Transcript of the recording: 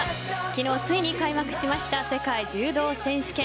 昨日ついに開幕しました世界柔道選手権。